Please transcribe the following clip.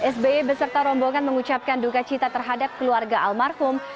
sby beserta rombongan mengucapkan duka cita terhadap keluarga almarhum